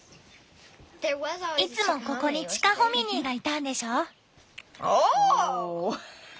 いつもここにチカホミニーがいたんでしょ。